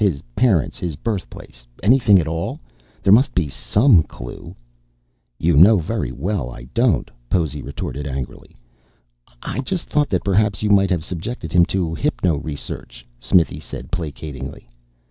His parents, his birthplace anything at all? There must be some clue." "You know very well I don't," Possy retorted angrily. "I just thought that perhaps you might have subjected him to hypno research," Smithy said, placatingly.